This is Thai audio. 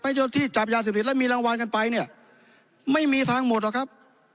เจ้าที่จับยาเสพติดแล้วมีรางวัลกันไปเนี่ยไม่มีทางหมดหรอกครับ